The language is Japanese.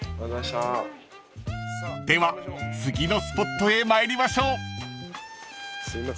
［では次のスポットへ参りましょう］